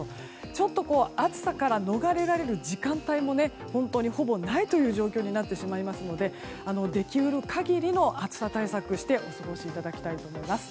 ちょっと暑さから逃れられる時間帯も本当にほぼないという状況になってしまいますのででき得る限りの暑さ対策をしてお過ごしいただきたいと思います。